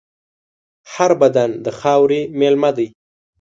هر بدن د خاورې مېلمه دی.